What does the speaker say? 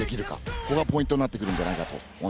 ここがポイントになってくるんじゃないかなと思います。